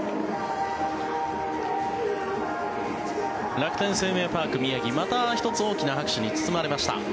楽天生命パーク宮城また１つ、大きな拍手に包まれました。